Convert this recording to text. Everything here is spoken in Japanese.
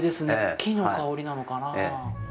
木の香りなのかなぁ。